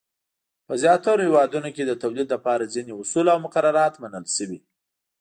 په زیاترو هېوادونو کې د تولید لپاره ځینې اصول او مقررات منل شوي.